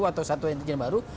atau satu intelijen baru